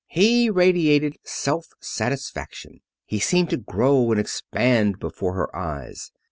He radiated self satisfaction. He seemed to grow and expand before her eyes.